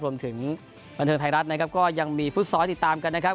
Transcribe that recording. รวมถึงบันเทิงไทยรัฐนะครับก็ยังมีฟุตซอลติดตามกันนะครับ